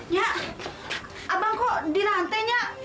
nyak abang kok dirantai nyak